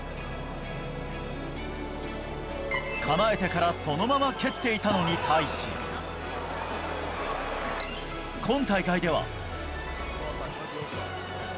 構えてからそのまま蹴っていたのに対し、今大会では。